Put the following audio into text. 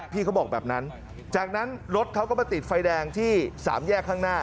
เขาบอกแบบนั้นจากนั้นรถเขาก็มาติดไฟแดงที่สามแยกข้างหน้า